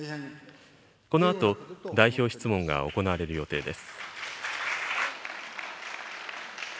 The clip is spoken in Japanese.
このあと代表質問が行われる予定です。